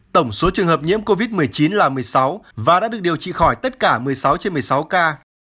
tổng số trường hợp nhiễm covid một mươi chín là một mươi sáu và đã được điều trị khỏi tất cả một mươi sáu trên một mươi sáu ca